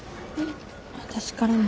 私からも。